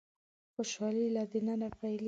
خوشالي له د ننه پيلېږي.